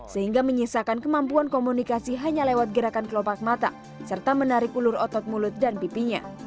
sehingga menyisakan kemampuan komunikasi hanya lewat gerakan kelopak mata serta menarik ulur otot mulut dan pipinya